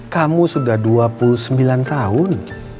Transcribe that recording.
kamu sudah dua puluh sembilan tahun